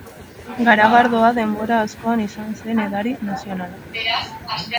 Garagardoa denbora askoan izan zen edari nazionala.